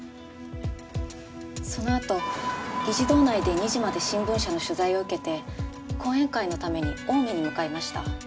そのあと議事堂内で２時まで新聞社の取材を受けて講演会のために青梅に向かいました。